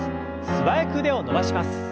素早く腕を伸ばします。